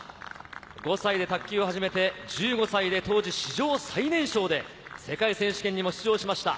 ５歳で卓球を始めて、１５歳で当時、史上最年少で世界選手権に出場しました。